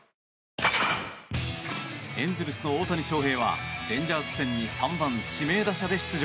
エンゼルスの大谷翔平はレンジャーズ戦に３番指名打者で出場。